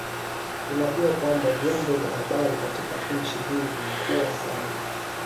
tunajua kwamba vyombo vya habari katika nchi hii vimekuwa naa